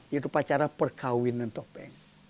itu upacara perkawinan topeng